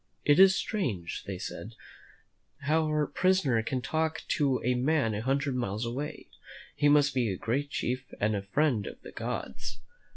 "It is strange," they said, "our prisoner can talk to a man a hundred miles away. He must be a great chief and a friend of the gods."